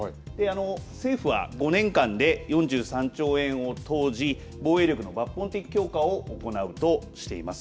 政府は５年間で４３兆円を投じ防衛力の抜本的強化を行うとしています。